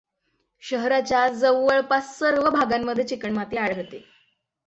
शहराच्या जवळपास सर्व भागांमध्ये चिकणमाती आढळते.